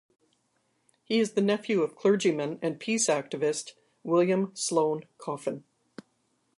He is the nephew of clergyman and peace activist William Sloane Coffin.